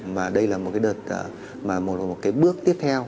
mà đây là một cái đợt mà một cái bước tiếp theo